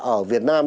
ở việt nam